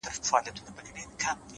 دې راوړي دې تر گور باڼه;